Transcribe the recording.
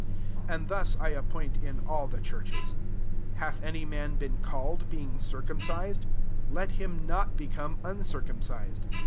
And thus I appoint in all the churches. 13 Hatb any man been called, being drcumf cised ? let him not beeome uncircumcfsed.